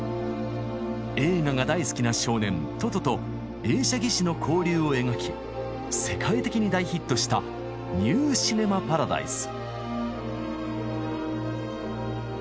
映画が大好きな少年トトと映写技師の交流を描き世界的に大ヒットした「ニュー・シネマ・パラダイス」。